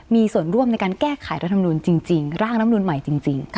มีส่วนร่วมในการแก้ไขรัฐมนุนจริงร่างรัฐมนุนใหม่จริง